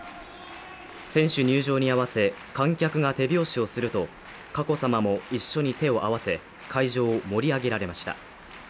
選手入場に合わせ観客が手拍子をすると佳子さまも一緒に手を合わせ会場を盛り上げられました。